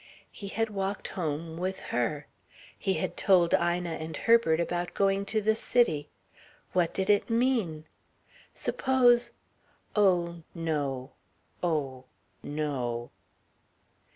He had walked home with her. He had told Ina and Herbert about going to the city. What did it mean? Suppose ... oh no; oh no!